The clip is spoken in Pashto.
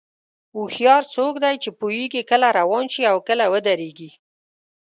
هوښیار څوک دی چې پوهېږي کله روان شي او کله ودرېږي.